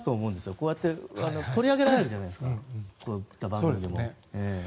こうやって取り上げられるじゃないですか、こういう番組でも。